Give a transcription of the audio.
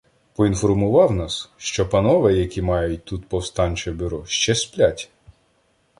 Поінформував нас, що панове, "які мають тут повстанче бюро”, ще сплять.